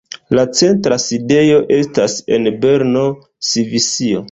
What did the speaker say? La centra sidejo estas en Berno, Svisio.